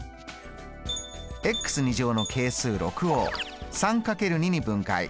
の係数６を３×２に分解。